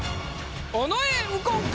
尾上右近か？